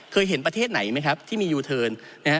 เคยเห็นประเทศไหนไหมครับที่มียูเทิร์นนะฮะ